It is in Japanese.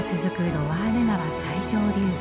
ロワール川最上流部。